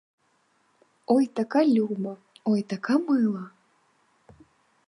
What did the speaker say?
Ой така люба, ой така мила.